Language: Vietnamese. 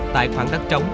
tại khoảng đất trống